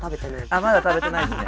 あっまだ食べてないんですね。